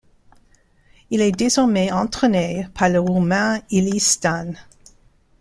Il est désormais entraîné par le roumain Ilie Stan.